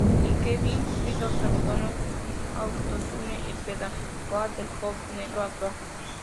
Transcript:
Y Kevin Driscoll preguntó, “¿No es Auto-Tune el pedal wah del pop negro actual?